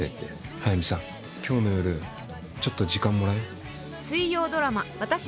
速見さん、今日の夜ちょっと時間もらえん？